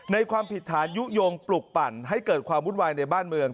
ความผิดฐานยุโยงปลุกปั่นให้เกิดความวุ่นวายในบ้านเมือง